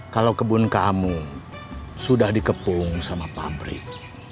kalau kebun kamu sudah dikepung sama pabrik